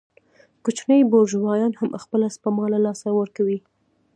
کوچني بورژوایان هم خپله سپما له لاسه ورکوي